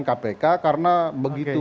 kpk karena begitu